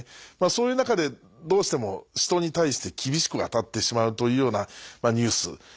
そういう中でどうしても人に対して厳しく当たってしまうというようなニュース。